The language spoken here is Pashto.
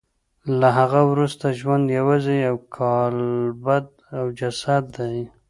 له هغه وروسته ژوند یوازې یو کالبد او جسد دی